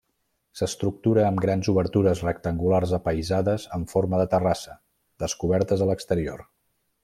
S'estructura amb grans obertures rectangulars apaïsades en forma de terrassa, descobertes a l'exterior.